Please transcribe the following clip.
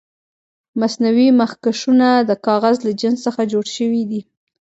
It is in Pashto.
مصنوعي مخکشونه د کاغذ له جنس څخه جوړ شوي دي.